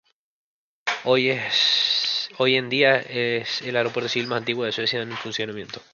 Hoy en día es el aeropuerto civil más antiguo de Suecia en funcionamiento.